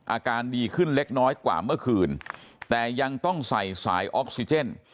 อาการดีขึ้นเล็กน้อยกว่าเมื่อคืนแต่ยังต้องใส่สายออกซิเจน